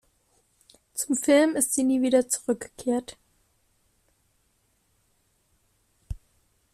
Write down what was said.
Zum Film ist sie nie wieder zurückgekehrt.